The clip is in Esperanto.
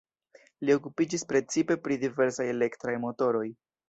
Li okupiĝis precipe pri diversaj elektraj motoroj.